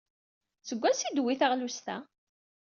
Seg wansi i d-tewwi talɣut-a?